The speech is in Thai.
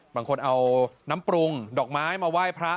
บางคนเอาน้ำปรุงดอกไม้มาไหว้พระ